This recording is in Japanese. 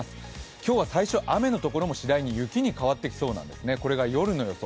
今日は最初、雨のところも次第に雪に変わってきそうなんですね、これが夜の予想。